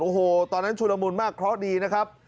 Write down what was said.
โอ้โหตอนนั้นชุลมุนมากเคราะห์ดีนะครับ